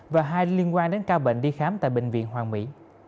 và hai liên quan đến ca bệnh đi khám tại bệnh viện hoàng mỹ